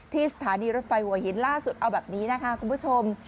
สถานีรถไฟหัวหินล่าสุดเอาแบบนี้นะคะคุณผู้ชม